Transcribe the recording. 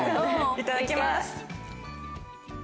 いただきます。